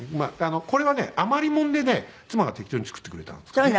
これはね余りものでね妻が適当に作ってくれたんですね。